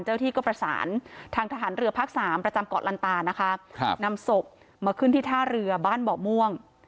ที่ก็ประสานทางทหารเรือภาคสามประจำเกาะลันตานะคะครับนำศพมาขึ้นที่ท่าเรือบ้านเบาะม่วง